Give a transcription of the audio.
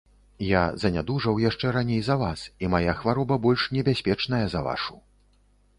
Я занядужаў яшчэ раней за вас, і мая хвароба больш небяспечная за вашу.